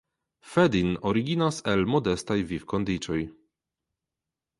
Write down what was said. Fedin originas el modestaj vivkondiĉoj.